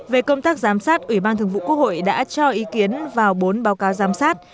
về công tác giám sát ủy ban thường vụ quốc hội đã cho ý kiến vào bốn báo cáo giám sát